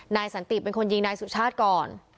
นายสันติเป็นคนยิงนายสุชาติก่อน